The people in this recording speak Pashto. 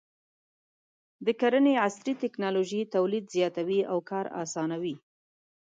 د کرنې عصري ټکنالوژي تولید زیاتوي او کار اسانوي.